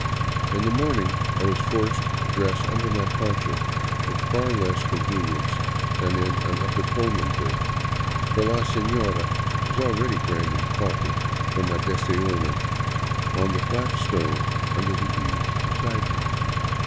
In the morning I was forced to dress under my poncho, with far less convenience than in an upper Pullman berth ; for la senora was already grinding coffee for my desayuno on the flat stone under the eaves beside me.